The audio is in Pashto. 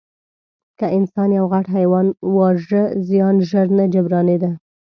که انسان یو غټ حیوان واژه، زیان ژر نه جبرانېده.